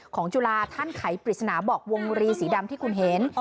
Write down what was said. จุฬาท่านไขปริศนาบอกวงรีสีดำที่คุณเห็น